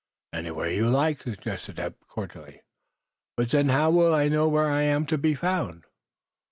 "Anywhere you like," suggested Eph, cordially. "But, zen, how will you know w'ere I am to be found?"